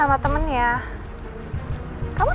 ok ya tak ada itu gitu